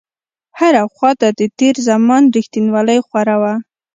هره خواته د تېر زمان رښتينولۍ خوره وه.